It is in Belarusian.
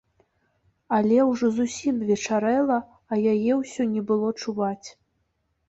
Але ўжо зусім вечарэла, а яе ўсё не было чуваць.